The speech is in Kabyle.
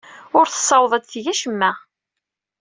Ur tessawaḍ ad teg acemma.